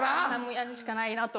やるしかないなと。